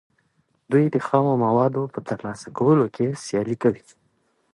دوی د خامو موادو په ترلاسه کولو کې سیالي کوي